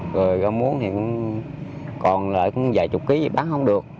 rồi gà muống thì còn lại cũng vài chục ký thì bán không được